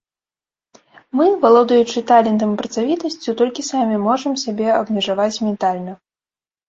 Мы, валодаючы талентам і працавітасцю, толькі самі можам сябе абмежаваць ментальна.